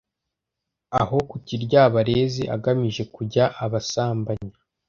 Aho ku kiryabarezi agamije kujya abasambanya.”